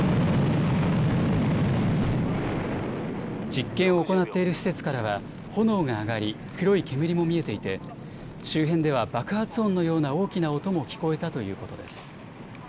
実験を行っている施設からは炎が上がり黒い煙も見えていて周辺では爆発音のような大きな音も聞こえたということです。